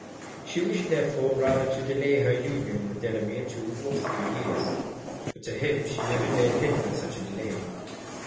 She wished, therefore, rather to delay her union with Delamere two or three years; but to him she never dared hint at such a delay.